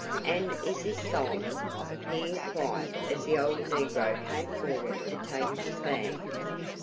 "And is this Solomon?" he inquired as the old negro came forward to take his bag.